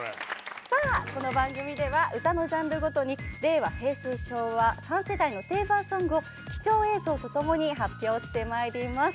さあこの番組では歌のジャンルごとに令和平成昭和３世代の定番ソングを貴重映像と共に発表してまいります。